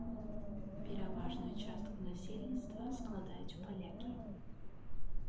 Пераважную частку насельніцтва складаюць палякі.